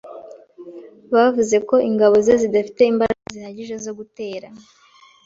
Bavuze ko ingabo ze zidafite imbaraga zihagije zo gutera.